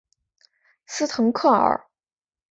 斯滕克尔。